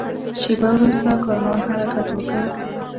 شېبه وروسته کاروان حرکت وکړ.